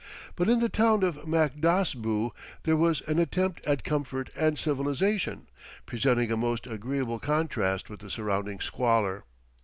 But in the town of Makdasbu, there was an attempt at comfort and civilization, presenting a most agreeable contrast with the surrounding squalor.